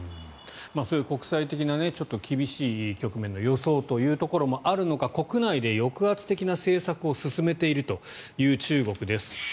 そういう国際的な厳しい局面の予想というところもあるのか国内で抑圧的な政策を進めているという中国です。